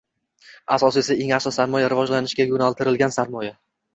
Asosiysi, eng yaxshi sarmoya – rivojlanishga yo‘naltirilgan sarmoya.